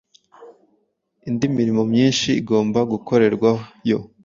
Indi mirimo myinhi igomba gukorerwayo